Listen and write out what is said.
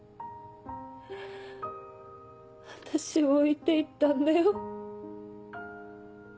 私を置いて行ったんだよ。